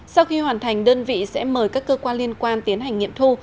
sau khi hoàn thành đơn vị sẽ mời các cơ quan liên quan tiến hành nghiệm thu